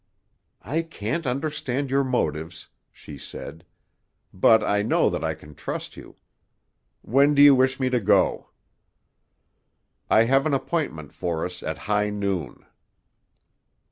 "I can't understand your motives," she said. "But I know that I can trust you. When do you wish me to go?" "I have an appointment for us at high noon."